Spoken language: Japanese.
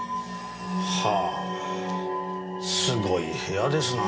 はあすごい部屋ですな。